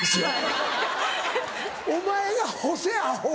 お前が干せアホ！